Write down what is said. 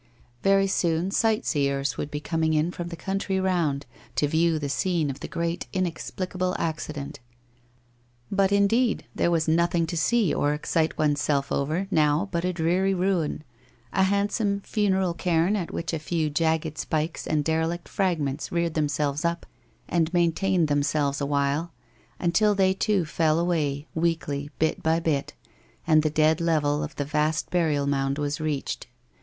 Very soon sightseers would be coming in from the country round to view the scene of the great inexplicable accident. But indeed there was nothing to see or excite one's self over now but a dreary ruin, a handsome funeral cairn on which a few jagged spikes and derelict fragments reared themselve9 up, and maintained themselves awhile, until they too fell away, weakly, bit by bit, and the dead level of the vast burial mound was reached.